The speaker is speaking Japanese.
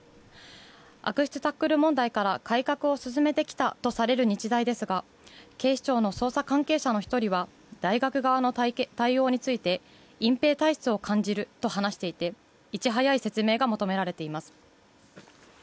悪質タックル問題から改革を進めてきたとされる日大ですが警視庁の捜査関係者の１人は大学側の対応について、隠蔽体質を感じると話していて、いち早い説明が求められています。